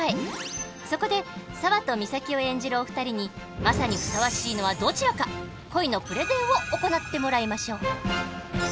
そこで沙和と美咲を演じるお二人にマサにふさわしいのはどちらか恋のプレゼンを行ってもらいましょう！